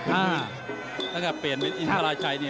แล้วก็เปลี่ยนเป็นอินทราชัยเนี่ย